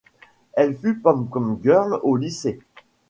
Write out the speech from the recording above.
Elle fut pom-pom girl au lycée.